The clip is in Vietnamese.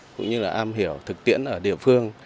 cũng như là am hiểu thực tiễn ở địa phương